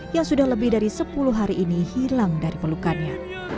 yang sudah lebih dari sepuluh hari ini hilang dari pelukannya